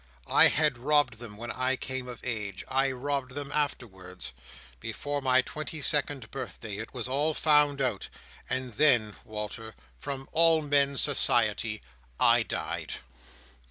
I had robbed them when I came of age. I robbed them afterwards. Before my twenty second birthday, it was all found out; and then, Walter, from all men's society, I died."